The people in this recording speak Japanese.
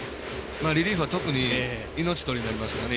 リリーフは特に命取りになりますからね。